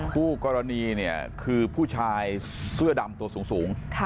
คู่กรณีเนี่ยคือผู้ชายเสื้อดำตัวสูง